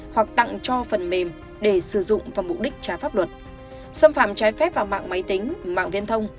hoặc tặng cho phần mềm để sử dụng và mục đích trả pháp luật xâm phạm trái phép vào mạng máy tính mạng viên thông